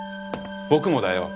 僕もだよ！